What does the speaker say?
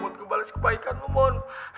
untuk bales kebaikan lo mon